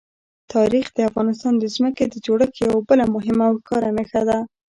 تاریخ د افغانستان د ځمکې د جوړښت یوه بله مهمه او ښکاره نښه ده.